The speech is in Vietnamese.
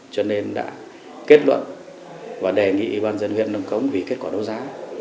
cho nên đã kết luận và đề nghị ủy ban dân huyện nông cống ghi kết quả đấu giá